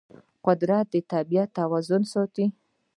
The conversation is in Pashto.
قدرت د طبیعت توازن ساتي.